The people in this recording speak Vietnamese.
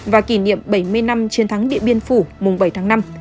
và kỷ niệm bảy mươi năm chiến thắng điện biên phủ mùng bảy tháng năm